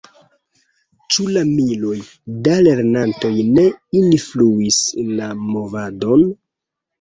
Ĉu la miloj da lernantoj ne influis la movadon?